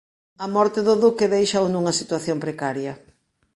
A morte do duque déixao nunha situación precaria.